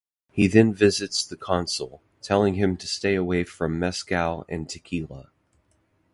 He then visits the Consul, telling him to stay away from mescal and tequila.